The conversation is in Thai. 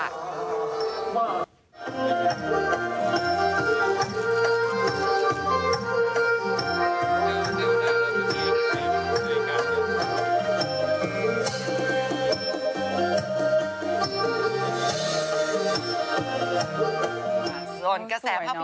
ส่วนกระแสภาพยนตร์นาคี